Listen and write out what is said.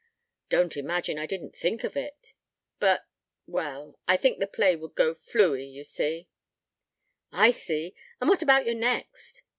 "Don't imagine I didn't think of it ... but well I think the play would go fluey ... you see. ..." "I see! And what about your next?"